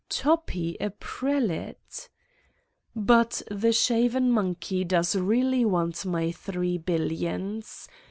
Toppi a prelate! ... But the shaven monkey does really want my three billions.